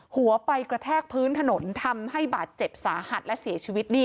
หัวไปกระแทกพื้นถนนทำให้บาดเจ็บสาหัสและเสียชีวิต